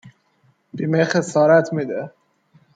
بیمه خسارت میده